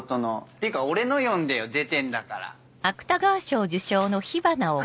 ていうか俺の読んでよ出てんだから。